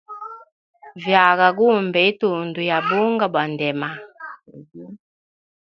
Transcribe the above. Vyaga gumbe itundu ya bunga bwa ndema.